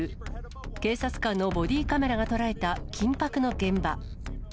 警察官のボディカメラが捉えた緊迫の現場。